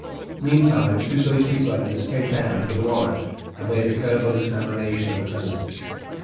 Meantime two Bow Street runners came down with a warrant, and made a careful examination of the premises.